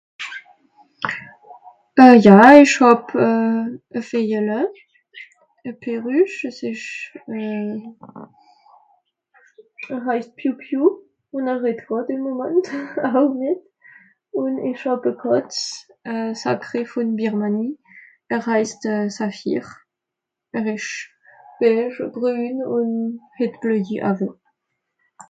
euh ja ìsch hàb euh a vìjele a perruche à s'esch euh er heisst pioupiou ùn er ret gràd ìm momant auch nìt ùn esch hàb à kàtz a sacrée vòn birmanie er haisst saphire er esch beische o grün ùn het bleuji awe